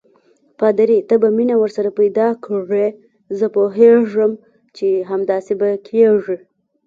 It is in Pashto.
پادري: ته به مینه ورسره پیدا کړې، زه پوهېږم چې همداسې به کېږي.